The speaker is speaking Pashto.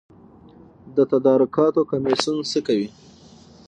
د تدارکاتو کمیسیون څه کوي؟